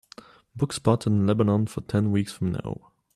book spot in Lebanon for ten weeks from now